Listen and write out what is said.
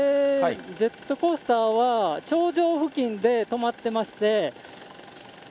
ジェットコースターは頂上付近で止まってまして。